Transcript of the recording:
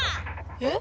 えっ？